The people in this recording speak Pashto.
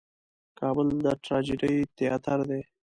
کابل د ټراجېډي تیاتر دی.